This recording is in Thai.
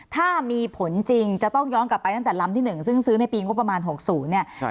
ถ้ามีผลจริงจะต้องย้อนกลับไปตั้งแต่ลำที่๑ซึ่งซื้อในปีงบประมาณ๖๐เนี่ย